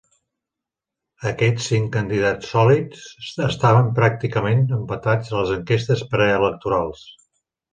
Aquests cinc candidats sòlids estaven pràcticament empatats a les enquestes preelectorals.